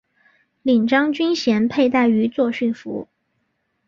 领章军衔佩戴于作训服。